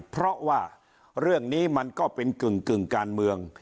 เพราะว่าเรื่องนี้มันก็เป็นกึ่งการเมือง